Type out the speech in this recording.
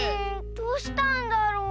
どうしたんだろう。